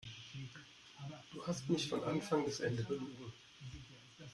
Du hast mich von Anfang bis Ende belogen.